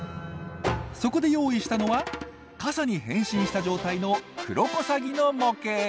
そこで用意したのは傘に変身した状態のクロコサギの模型！